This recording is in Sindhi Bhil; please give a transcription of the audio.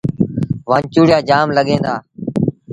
وآنچوڙيآ جآم لڳيٚن دآ۔